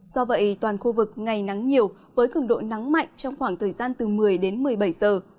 do vậy toàn khu vực ngày nắng nhiều với cường độ nắng mạnh trong khoảng thời gian từ một mươi đến một mươi bảy giờ